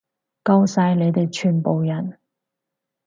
吿晒你哋全部人！